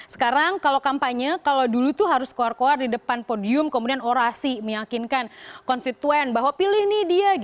sekarang kalau kampanye kalau dulu tuh harus keluar keluar di depan podium kemudian orasi meyakinkan konstituen bahwa pilih nih dia